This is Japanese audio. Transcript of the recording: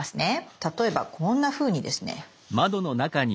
例えばこんなふうにですね